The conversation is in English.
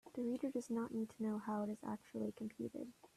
The reader does not need to know how it is actually computed.